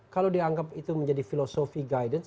kalau dianggap itu menjadi filosofi guidance